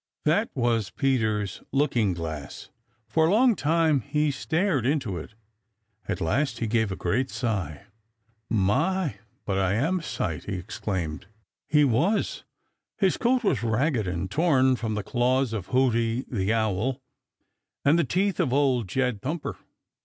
That was Peter's looking glass. For a long time he stared into it. At last he gave a great sigh. "My, but I am a sight!" he exclaimed. He was. His coat was ragged and torn from the claws of Hooty the Owl and the teeth of Old Jed Thumper.